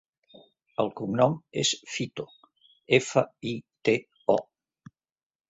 El cognom és Fito: efa, i, te, o.